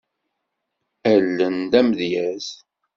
Allen d amedyaz.